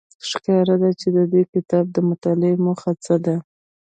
ښکاره ده چې د دې کتاب د مطالعې موخه څه ده